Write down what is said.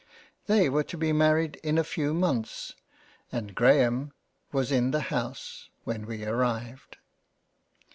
They were to be married in a few months, and Graham, was in the House when we arrived.